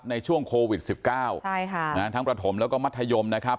ในช่วงโควิด๑๙ทั้งประถมแล้วก็มัธยมนะครับ